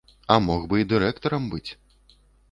А мог бы і дырэктарам быць.